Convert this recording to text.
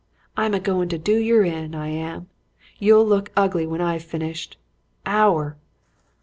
I'm a goin' to do yer in, I am. You'll look ugly when I've finished Ow er!'